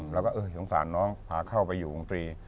แล้วก็หิวสารน้องป่าเข้าไปอยู่วงตรี